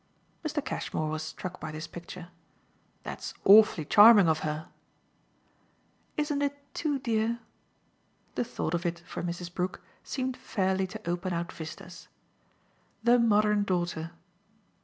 Mr. Cashmore was struck by this picture. "That's awfully charming of her." "Isn't it too dear?" The thought of it, for Mrs. Brook, seemed fairly to open out vistas. "The modern daughter!"